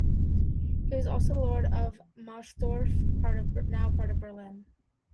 He was also the Lord of Mahlsdorf (now part of Berlin).